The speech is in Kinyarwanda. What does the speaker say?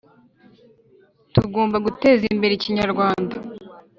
tugomba guteza imbere ikinyarwanda